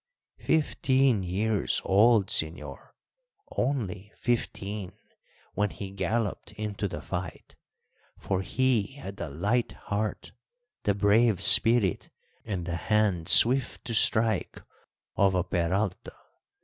Fifteen years old, señor, only fifteen, when he galloped into the fight, for he had the light heart, the brave spirit, and the hand swift to strike of a Peralta.